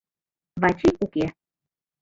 Вачий уке.